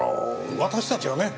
私たちはね